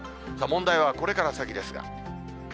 問題はこれから先ですが。